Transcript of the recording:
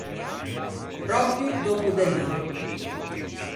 Pròpio dòppo Dënâ.